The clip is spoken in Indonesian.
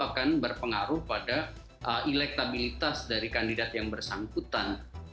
ya itu akan berpengaruh pada electabilitas dari kandidat yang bersangkutan